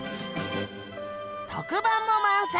特番も満載！